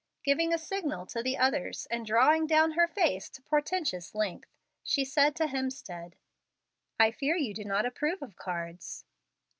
Giving a signal to the others and drawing down her face to portentous length, she said to Hemstead, "I fear you do not approve of cards."